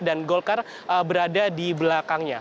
dan golkar berada di belakangnya